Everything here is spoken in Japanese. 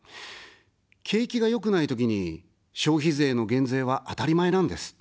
景気が良くないときに、消費税の減税は当たり前なんです。